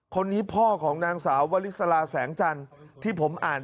คนนี้พ่อของนางสาววลิสาลาแสหว์ใจเจนที่ผมอ่าห์ล